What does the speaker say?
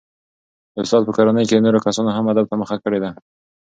د استاد په کورنۍ کې نورو کسانو هم ادب ته مخه کړې ده.